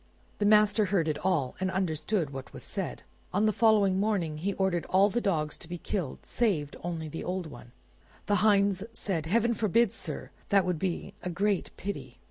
The master heard it all, and understood what was said. On the following morning he ordered all the dogs to be killed save only the old one. The hinds said, "Heaven forbid, sir; that would be a great pity!"